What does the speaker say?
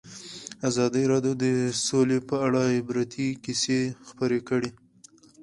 ازادي راډیو د سوله په اړه د عبرت کیسې خبر کړي.